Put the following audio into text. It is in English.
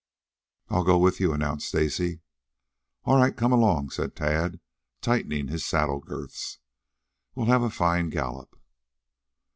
"I'll go with you," announced Stacy. "All right; come along," said Tad, tightening his saddle girths. "We'll have a fine gallop."